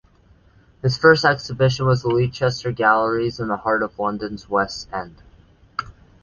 His first exhibition was the Leicester Galleries in the heart of London's west end.